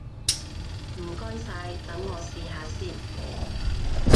唔該晒，等我試下先！